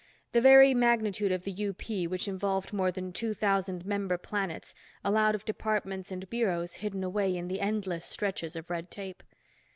The very magnitude of the UP which involved more than two thousand member planets, allowed of departments and bureaus hidden away in the endless stretches of red tape.